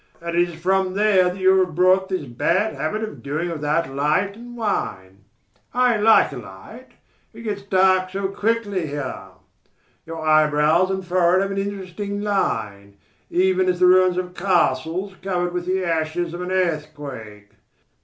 and it is from there that you have brought this bad habit of doing without light and wine. I like a light. It gets dark so quickly here. Your eyebrows and forehead have an interesting line: even as the ruins of castles covered with the ashes of an earthquake.